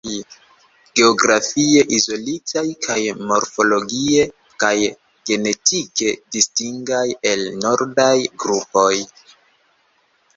Geografie izolitaj kaj morfologie kaj genetike distingaj el nordaj grupoj.